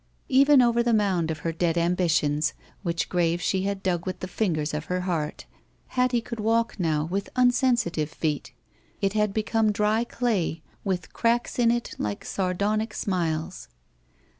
Even over the mound of her dead ambitions, which grave she had dug with the fingers of her heart, Hattie could walk now with unsensitivej feet. It had become dry clay with cracks in it like sar donic smiles.